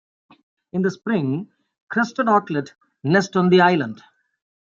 In the spring crested auklet nest on the island.